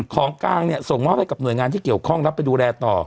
ของกลางเนี่ยส่งมอบให้กับหน่วยงานที่เกี่ยวข้องรับไปดูแลต่อ